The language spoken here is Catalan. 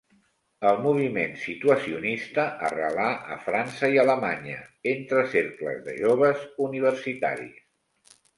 El moviment situacionista arrelà a França i Alemanya entre cercles de joves universitaris.